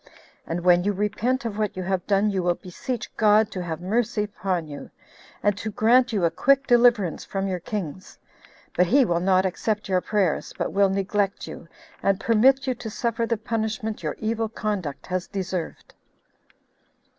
And when you repent of what you have done, you will beseech God to have mercy upon you, and to grant you a quick deliverance from your kings; but he will not accept your prayers, but will neglect you, and permit you to suffer the punishment your evil conduct has deserved."